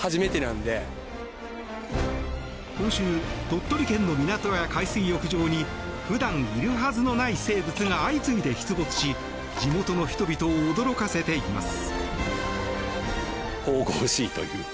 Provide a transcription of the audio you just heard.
今週、鳥取県の港や海水浴場に普段いるはずのない生物が相次いで出没し地元の人々を驚かせています。